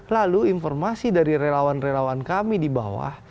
lalu informasi dari relawan relawan kami di bawah